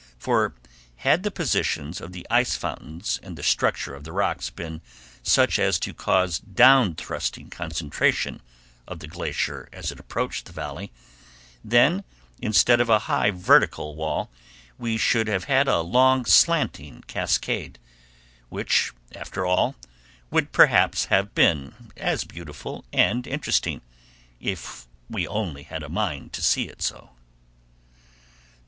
For had the positions of the ice fountains and the structure of the rocks been such as to cause down thrusting concentration of the Glacier as it approached the Valley, then, instead of a high vertical fall we should have had a long slanting cascade, which after all would perhaps have been as beautiful and interesting, if we only had a mind to see it so.